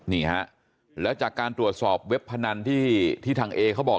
นี่ฮะแล้วจากการตรวจสอบเว็บพนันที่ทางเอเขาบอก